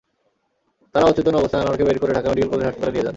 তাঁরা অচেতন অবস্থায় আনোয়ারকে বের করে ঢাকা মেডিকেল কলেজ হাসপাতালে নিয়ে যান।